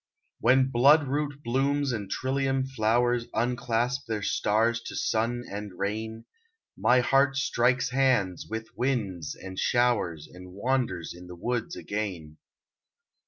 When blood root blooms and trillium flowers Unclasp their stars to sun and rain, My heart strikes hands with winds and showers And wanders in the woods again.